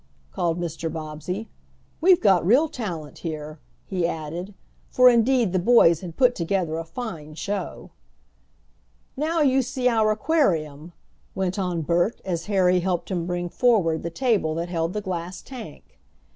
called Mr. Bobbsey. "We've got real talent here," he added, for indeed the boys had put together a fine show. "Now you see our aquarium," went on Bert as Harry helped him bring forward the table that held the glass tank.